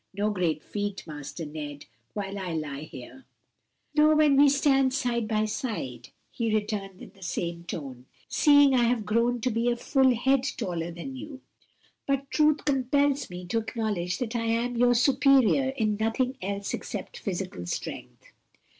"No great feat, Master Ned, while I lie here." "Nor when we stand side by side," he returned in the same tone, 'seeing I have grown to be a full head taller than you. But truth compels me to acknowledge that I am your superior in nothing else except physical strength."